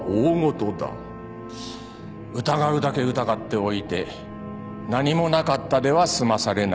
疑うだけ疑っておいて何もなかったでは済まされない。